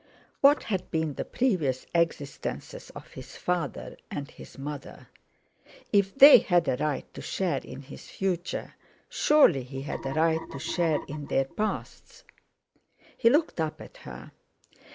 What had been the previous existences of his father and his mother? If they had a right to share in his future, surely he had a right to share in their pasts. He looked up at her.